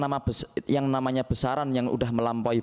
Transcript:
namanya besaran yang udah melampaui